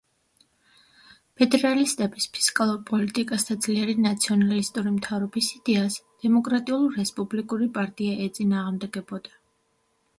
ფედერალისტების ფისკალურ პოლიტიკას და ძლიერი ნაციონალისტური მთავრობის იდეას დემოკრატიულ-რესპუბლიკური პარტია ეწინააღმდეგებოდა.